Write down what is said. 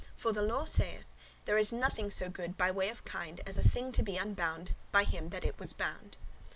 For the law saith, 'There is nothing so good by way of kind, [nature] as a thing to be unbound by him that it was bound.